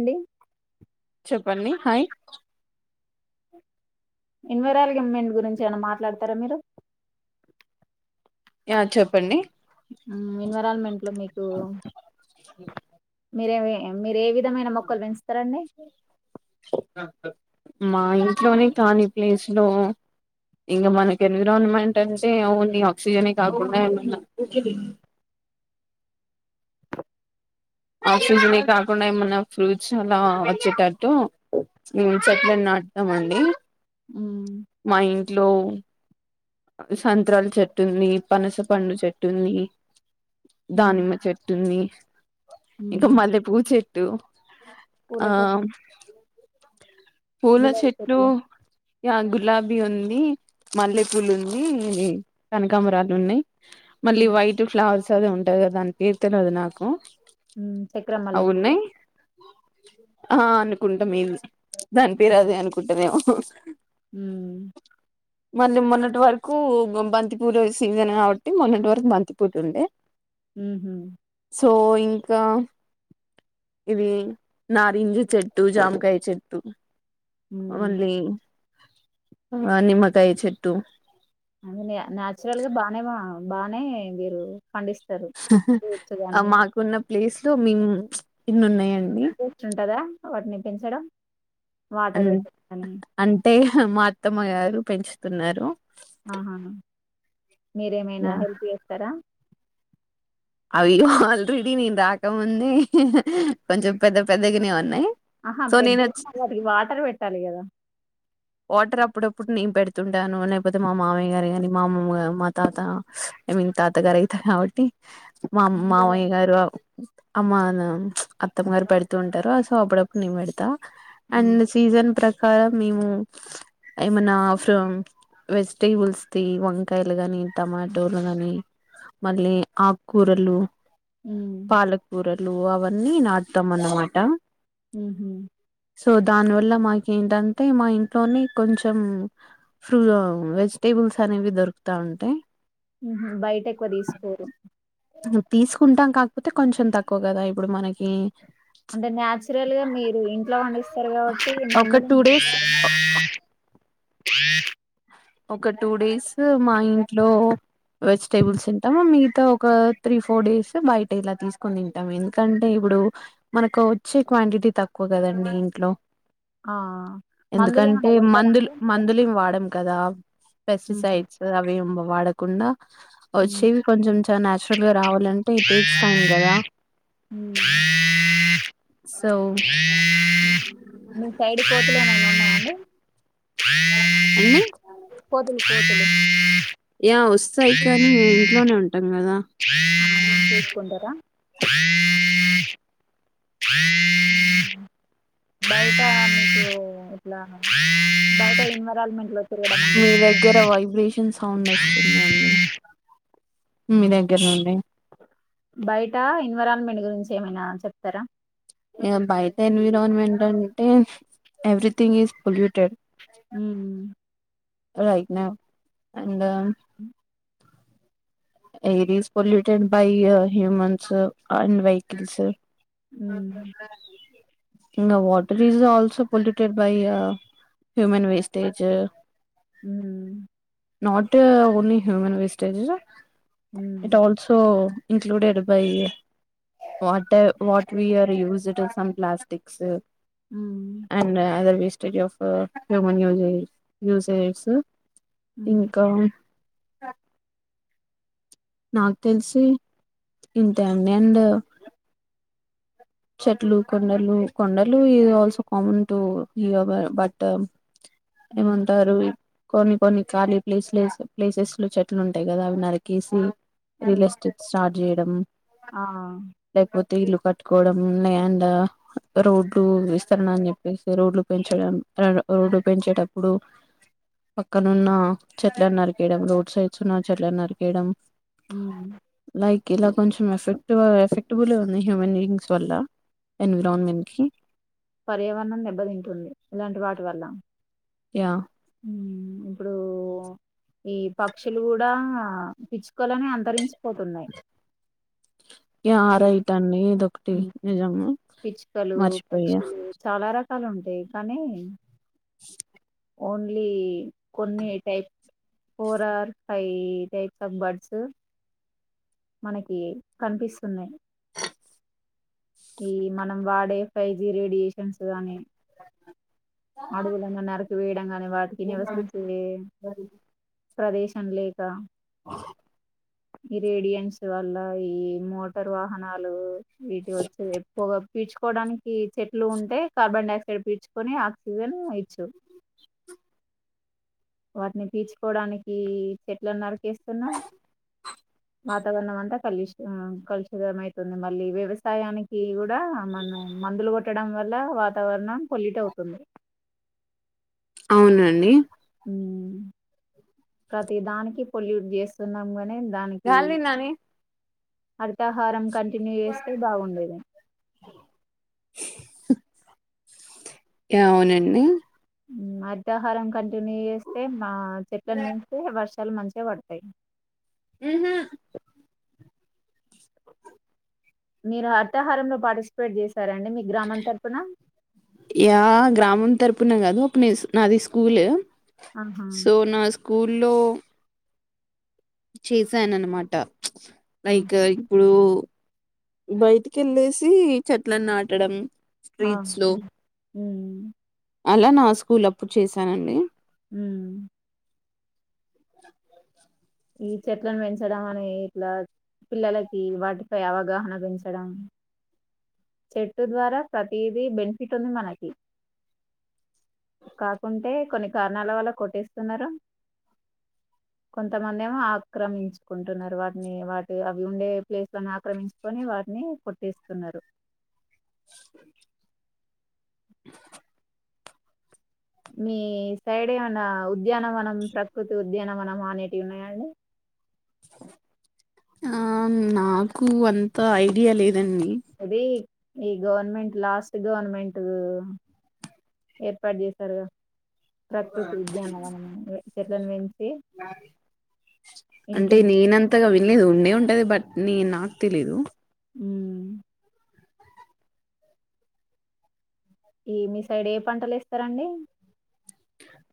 అండి చెప్పండి hi ఎన్విరాల్ women గురించి ఏమన్న మాట్లాడతారా! మీరు యా చెప్పండి. ఎన్విరాన్మెంట్లో మీకు, మీరేమి మీర్ ఏ విధమైన మొక్కలు పెంచుతరండి. మా ఇంట్లోనే కాలి ప్లేస్లో ఇంకా మనకు ఎన్విరాన్మెంట్ అంటే ఓన్లీ ఆక్సిజనే కాకుండా ఏమన్న ఆక్సిజనే కాకుండా ఏమన్నా ఫ్రూట్స్ అలా వచ్చేటట్టు చెట్లని నాటుతం అండి. ఉ మా ఇంట్లో సంత్రాల చెట్టుంది. పనసపండు చెట్టుంది. మ్మ్, దానిమ్మ చెట్టుంది. ఇంకా మ్మ్. మల్లె పూ చెట్టు పూల ఆ చెట్లు పూల చెట్లు యన్ గుర్త్ గులాబీ ఉంది. మల్లె పూలు ఉంది. కనకాంబరాలు ఉన్నాయ్. మళ్ళీ మ్మ్, వైట్ ఫ్లర్స్ అదే ఉంటాది కదా దాని పేరు తెల్వది నాకు చక్రమల్లె అవి పూలా ఉన్నాయి ఆ అనుకుంటా మేబి దాని పేరు అదే అనుకుంటవేమో స [inaudible] ఊమ్ మళ్ళీ మొన్న టి వరకు బంతిపూలు సీజన్ కాబట్టి మొన్నటి వరకు బంతిపూత ఉండే ఊహు సో ఇంకా ఇవి నారింజ చెట్టు, జామకాయ చెట్టు మ్మ్. మళ్ళీ ఆ నిమ్మకాయ చెట్టు అనే నాచురల్ గా బానేబా బానే, మీరు పండిస్తారు ఫ్రూట్స్ అ గాని మాకున్న ప్లేస్ లో మేమ్ ఇన్ని ఉన్నాయండి ఇంట్రెస్ట్ ఉంటదా వాటిని పెంచడం వాటర్ పెట్ట కాని, అంటే మా అత్తమ్మ గారు పెంచుతున్నారు. ఆహా మీరేమైనా యా హెల్ప్ చేస్తారా అయ్యో ఆల్రెడీ నేను రాకముందే కొంచెం పెద్ద పెద్దగానే ఉన్నాయి ఆహా సో నేను వచ్చి పెద్దైనా వాటికి వాటర్ పెట్టాలి కదా వాటర్ అప్పుడప్పుడు నేను పెడుతుంటాను లేకపోతే మా మామయ్య గారు గాని మా అమమ్మ మా తాత ఐ మీన్ తాత గారు అయితే కాబట్టి మా మామయ్య మందుల గారు అ మన అత్తమ్మ గారు పెడుతూ ఉంటారు అ సో అప్పుడప్పుడు నేను పెడతా అండ్ సీజన్ ప్ర కార మేము ఏమనా ఫ్రమ్ వెజిటేబుల్స్ది వంకాయలు గాని టమాటోలు కానీ మళ్ళీ ఆకూరలు హ్మ్. పాలకూరలు అవన్నీ నాటుతాం అన్నమాట ఉమ్ హు సో దాని వల్ల మాకెంటంటే మా ఇం లోని కొంచెం ఫ్రూ వెజిటేబుల్స్ అనేవి దొరుకుతా ఉంటాయి ఉహూ బయట ఎక్కువ తీసుకోరు పోతే కొంచెం తక్కువ కదా ఇప్పుడు మనకి అంటే న్యాచురల్ గా మీరు ఇంట్లో పండిస్తారు కాబట్టి ఒక టూ అంధరామ్ డేస్ ఒక టూ డేస్ మా ఇంట్లో వెజిటేబుల్స్ తింటాము, మిగతా ఒక త్రీ ఫోర్ డేస్ బయట ఇలా తీసుకొని తింటాము ఎందుకంటే ఇప్పుడు మనకు వచ్చే క్వాంటిటీ తక్కువ కదండి ఇంట్లో. ఆ! ఎందుకంటే మందులేమన్నా కొడతారాండి మందులు మీరు? మందులుం వాడం కదా. హుహు. పెస్టిసైడ్స్ అవే వాడకుండా హ్మ్. వచి కొంచం చ నాచురల్ గా రావాలంటే టేక్స్ ఫామ్ కదా. హ్మ్. సౌ [unintelligible] [unintelligible] అన్ని కోతులు కోతులు యా వస్తాయి కానీ ఆహా! ఇంట్లోనే ఉంటాం కదా హ [inaudible] బయట మీకు ఇట్లా బయట ఇ న్విరాన్మెంట్ మీ దగ్గర వైబ్రేషన్ సౌండ్ వస్తుందండి మీ దగ్గర్నుండి బయిట ఎన్విరాన్మెంట్ గురించి ఏమైనా చెప్తారా ఇక బయిట ఎన్విరాన్మెంట్ అంటే everything is polluted uh right now అంట heirs polluted by humans and vehicles oh హ్మ్. [inaudible] ఇంగ water is also polluted by. Human wastage. Who not only human wastage hmm. It also included by వా what we are used some plastics. Hmm. Hmm. And others స్ట of human usages హ్మ్. ఇంకా ఆ నాకు తెలిసి ఇంతే అండి అండ్ చెట్లు కొండలు కొండలు ఇస్ ఆల్సో కామన్ టటు యోగ బట్ హ్మ్. ఏమంటారు కొన్ని కొన్ని ఖాళీ ప్లేస్ ప్లేసెస్ లో చెట్లు ఉంటాయి కదా అవి నరికేసి రియల్ హ్మ్. ఎస్టేట్ స్టార్ట్ చేయడం ఆ తేలుక కోవడం లేలండ్ రోడ్లు విస్తరణ అని చెప్పేసి రోడ్లు పెంచడం ర రోడ్డు పెంచేటప్పుడు పక్కనున్న చెట్లను నరికేయడం. రోడ్ సైడ్స్ ఉన్నా చెట్లలను నరికేయడం. హూ ఉమ్ రై ఇలా కొంచెం ఎఫెక్టివ్ గ ఎఫెక్టబుల్ ఉంది హ్యూ మన్ వల్ల ఎన్విరాన్మెంట్ కి పర్యావరణం దెబ్బ తింటుంది ఇలాంటి వాటి వల్ల యా ఇప్పుడు ఈ పక్షులు కూడా పిచ్చుకోవాలని అంతరించ పోతున్నాయి. ఇ ఆరైట అన్ని ఇదొ ఒకటి ఉమ్ నిజము మర్చిపోయా కష్టాలు ఉంటాయి కానీ [inaudible] ఓన్లీ కొన్ని type four or five types of birds మనకి కనిపిస్తున్నాయి. ఈ మనం వాడే ఫైజి రేడియేషన్స్ గాని అడువులను నరకన్ వీడగల్ వాటికి నివసించే ప్రదేశన్ లేక ఈ రేడియన్స్ వల్ల ఈ మోటార్ వాహనాలు వీటి వచ్ ఎక్కువగా పీల్చు కోవడానికి చెట్లు ఉంటే కార్బన్ డైఆక్సైడ్ పీల్చు కొని ఆక్సిజన్ ఇచ్చు. వాటిని పీచుకోవడానికి చెట్లను నరికేస్తున్నాం. వాతావరణం అంతా కలుష కలుషితంమవుతుంది. మళ్ళీ వ్యవసాయానికి కూడా, మనం మందులు కొట్టడం వల్ల, వాతావరణం పొలిట్ అవుతుంది. అవునండి. ప్రతి దానికి పొల్యూట్ చేస్తున్నాం గాని గాలిల్ నాని హరితహారం కంట పిన్ని చేస్తే బాగుండేది. అవునండి మధ్యాహారం కంటిన్యూ చేస్తే మా సెకండ్ మీన్స్తే పస్ చాల మంచిగా పడ్తాయ్ ఉహూ మీరు హర్తహారంలో పార్టిసిపేట్ చేసి యా గ్రామం తరపున కాదు మీ నాది స్కూల్ ఆహా సోనా స్కూల్ లో చేశానన్నమాట ఆ లైక్ ఇప్పుడు బయటికి వెళ్ళేసి చెట్లను నాటడం ఆ స్ట్రీట్స్ లో ఉం అలా నా స్కూల్ అప్పుడు చేశానండి ఉం ఈ చెట్లను పెంచడం అని ఇట్లా పిల్లలకి వాటిపై అవగాహన పెంచడం చెట్టు ద్వారా ప్రతిది బెనిఫిట్ ఉంది మనకి కాకుంటే కొన్ని కారణాల వల్ల కొట్టేస్తున్నారు కొంతమంది ఏమో ఆక్రమించుకుంటున్నారు వాటిని వాటి అవి ఉండే ప్లేస్ లో ఆక్రమించుకొని వాటిని కొట్టేస్తున్నారు [inaudible] [inaudible] మీ సైడ్ ఏమన్న ఉ ఉద్యానం వనం ప్రకృతి ఉద్యానం వనం అనేటియి ఉన్నాయ అండీ ఆ నాకు అంత ఐడియా లేదు నన్ని ఇది ఈ గవర్నమెంట్ లాస్ట్ గవర్నమెంట్ ఏర్పాటు చేసారు కథ ప్రకృతి ఉద్యాన వనం అని [unintelligible] అంటే ఇంటింటికి నేనంతగా వి లేదు ఉండే ఉంటది బట్ ని నాకు తెలీదు ఉమ్ ఈ మీ సైడ్ ఏ పంటలు ఎస్తరండి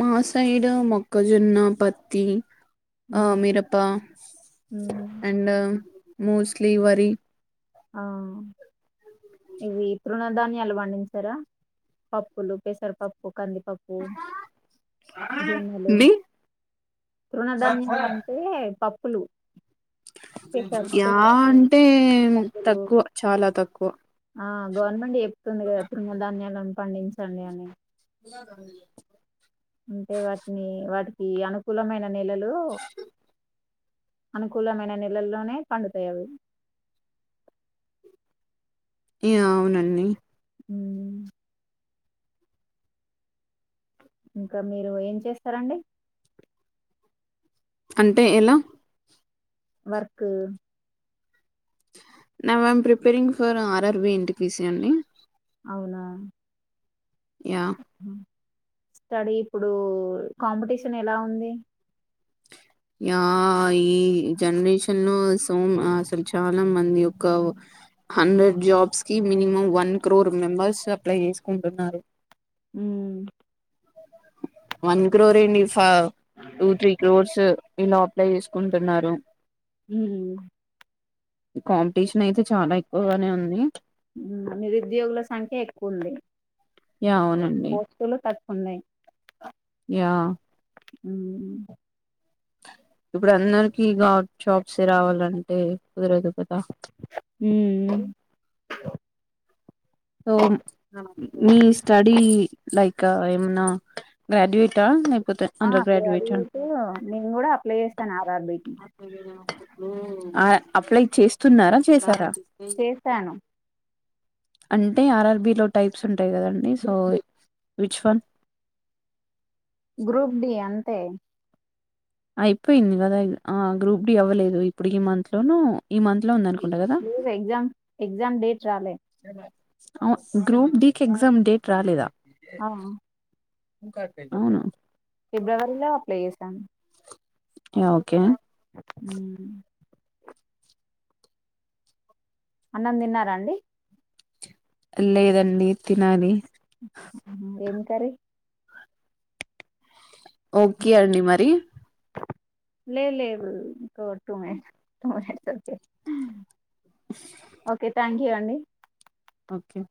మా సైడ్ మొక్కజొన్న పత్తి ఆ ఉమ్ మీరప ఉమ్ అండ్ మోస్ట్ లి వరి ఆ ఇవి తృణధాన్యాలు పండించారా పప్పులు పెసరపప్పు కందిపప్పు జొన్నలు బి త్రుణధాన్యలు అంటే పప్పు ప్పులు యా అంటే కందులు తక్కువ చాలా తక్కువ ఆ గవర్నమెంట్ చెప్తుంది కదా తృణ ధాన్యాలను పండించండి అని [unintelligible] ఈ అనుకూలమైన నెలలు అనుకూలమైన నెలల్లోనే పండుతాయవి ఏ అవునండి హ్మ్ ఇంకా మీరు ఏం చేస్తారండి అంటే ఎలా work ma'am I am preparing for RRB NTPC అండి అవునా యా స్టడీ ఇప్పుడు కాంపిటీషన్ ఎలా ఉంది యా ఈ జనరేషన్ లో అసలు చాలా మంది యొక్క హండ్రెడ్ జాబ్స్ కి minimum one crore members apply చేసుకుంటున్నారు హ్మ్ వన్ క్రోర్ ఫ్ టూ త్రీ క్రోర్స్ ఇలా అప్లై చేసుకుంటున్నారు హ్మ్ కాంపిటీషన్ అయితే చాలా ఎక్కువగానే ఉంది హ్మ్ నిరుద్యోగుల సంఖ్య ఎక్కువ ఉంది యా అవునండి ఉన్నాయ్ యా హ్మ్ ఇప్పుడు అందరికి గ జాబ్స్ ఏ రావాలంటే కుదరదు కదా హ్మ్ సో మీ స్టడీ లైక్ ఏమనా గ్రాడ్యుయేట్ట ఆ అదే అటుఇటు నేను కూడా అప్లై చేస్తాను ఆగండి హ అప్లై చేస్తున్నారా చేసారా చేశాను అంటే ఆర్ ఆర్ బి లో టైప్స్ ఉంటాయి కదండి so which one group D అంతే అయిపోయింది కదా ఆ గ్రూప్ డి అవ్వలేదు ఇప్పుడు ఈ మంత్ లోనూ ఈ మంత్ లో ఉందనుకో లేదే ఎగ్జామ్ ఎగ్జామ్ డేట్ రాలే ఆ గ్రూప్ డి కి ఎగ్జామ్ డేట్ రాలేదా హా అవును ఫిబ్రవరిలో అప్లై చేశాను ఓకే హ అన్నం తిన్నారాండి. లేదండి తినాలి. ఏం కర్రీ ఓకే అడి మరి. లే లే ఓ టు మినిట్స్ తానామ్ చేస్తుంది. ఓకే థ్యాంక్ యూ అండి. ఓకే